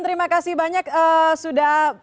terima kasih banyak sudah